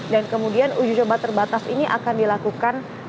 dan kemudian ujicoba terbatas ini akan dilakukan